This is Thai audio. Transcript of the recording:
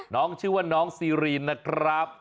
น้องชื่อว่าน้องซีรีนนะครับ